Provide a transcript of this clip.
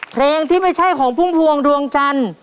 เพลงที่ไม่ใช่ของพุ่มพวงดวงจันทร์